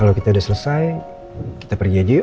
kalau kita udah selesai kita pergi aja yuk